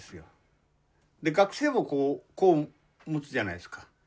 学生帽をこう持つじゃないですか。